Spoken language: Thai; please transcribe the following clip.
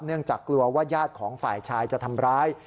จากกลัวว่าญาติของฝ่ายชายจะทำร้าย